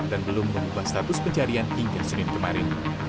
belum mengubah status pencarian hingga senin kemarin